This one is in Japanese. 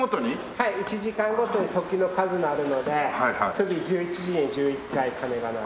はい１時間ごとに時の数鳴るので次１１時に１１回鐘が鳴る。